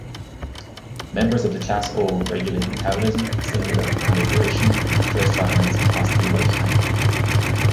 Members of the class O regulate metabolism, cellular proliferation, stress tolerance and possibly lifespan.